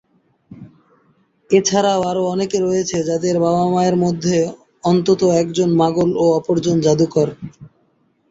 এছাড়া আরো অনেকে রয়েছে যাদের বাবা-মায়ের মধ্যে অন্তত একজন মাগল ও অপরজন জাদুকর।